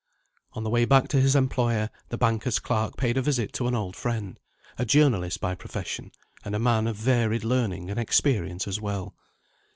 On the way back to his employer, the banker's clerk paid a visit to an old friend a journalist by profession, and a man of varied learning and experience as well.